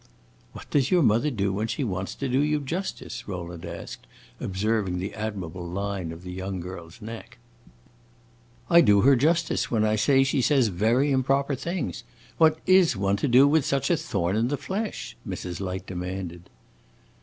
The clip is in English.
"What does your mother do when she wants to do you justice?" Rowland asked, observing the admirable line of the young girl's neck. "I do her justice when I say she says very improper things. What is one to do with such a thorn in the flesh?" Mrs. Light demanded.